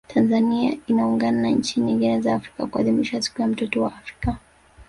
Tanzania inaungana na nchi nyingine za Afrika kuadhimisha siku ya mtoto wa Afrika